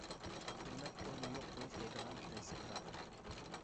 خىزمەت ئورنى يوق بولۇش دەيدىغان پىرىنسىپى بار.